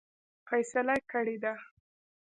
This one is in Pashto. فیصله کړې ده.